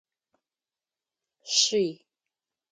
Шъий.